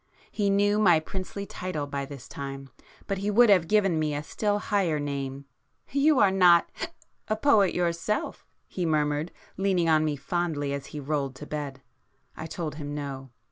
He knew my princely title by this time, but he would have given me a still higher name. 'You are not—hic—a poet yourself?' he murmured, leaning on me fondly as he rolled to bed. I told him no.